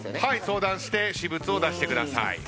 はい相談して出してください。